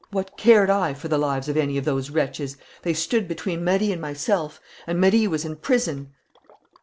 What cared I for the lives of any of those wretches? They stood between Marie and myself; and Marie was in prison!"